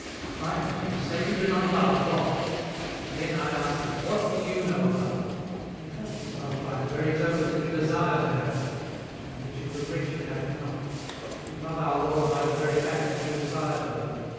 " Finally you say you do not love God; again I answer, what do you know about it ? You have this love by the very token that you desire to have it, and that you regret you have it not ; you love our Lord by the very fact that you desire to love Him."